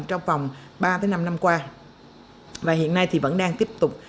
trong vòng ba năm năm qua và hiện nay thì vẫn đang tiếp tục